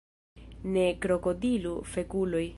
Ne krokodilu fekuloj!